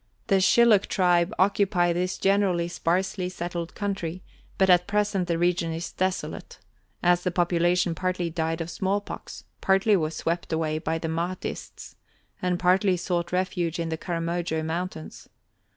The Shilluk tribe occupy this generally sparsely settled country, but at present the region is desolate, as the population partly died of smallpox, partly was swept away by the Mahdists, and partly sought refuge in the Karamojo Mountains.